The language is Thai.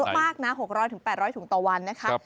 เยอะมากนะ๖๐๐ถึง๘๐๐ถุงต่อวันนะคะ